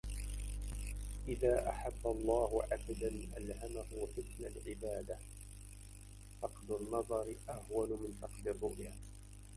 إذا أحب الله عبًدا ألهمه حسن العبادة فقد النظر أهون من فقد الرؤية.